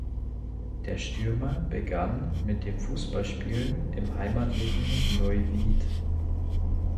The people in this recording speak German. Der Stürmer begann mit dem Fußballspielen im heimatlichen Neuwied.